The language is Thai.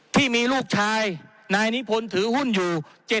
ที่มีลูกชายนายนิพนธ์ถือหุ้นอยู่